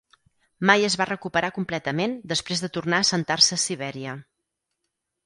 Mai es va recuperar completament després de tornar a assentar-se a Sibèria.